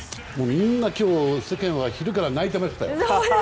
みんな今日世間は昼から泣いてましたよ。